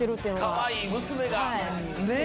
かわいい娘がねえ。